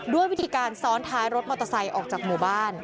ด้วยวิธีการซ้อนท้ายรถมอเตอร์ไซค์ออกจากหมู่บ้าน